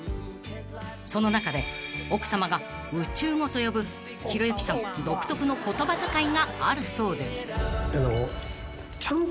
［その中で奥さまが宇宙語と呼ぶひろゆきさん独特の言葉遣いがあるそうで］